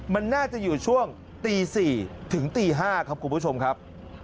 มันน่าจะอยู่ช่วงตี๔ถึงตี๕ครับคุณผู้ชมครับ